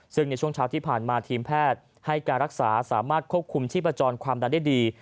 ซึ่งในช่วงเช้าที่ผ่านมาทีมแพทย์ให้การรักษาสามารถควบคุมชีพจรความดันได้ดี